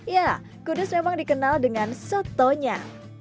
ya kudus memang dikenal dengan sotonya